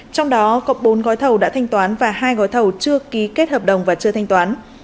trong đó cộng bốn gói thầu đã thanh toán và hai gói thầu chưa ký kết hợp đồng và chưa thanh toán